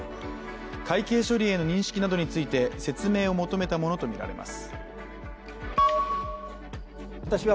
会計処理への認識などについて説明を求めたものとみられます。